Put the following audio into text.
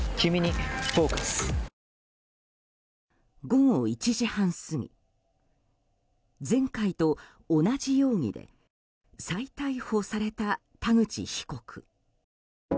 午後１時半過ぎ前回と同じ容疑で再逮捕された田口被告。